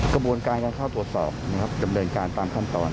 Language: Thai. กระบวนการการเข้าตรวจสอบนะครับดำเนินการตามขั้นตอน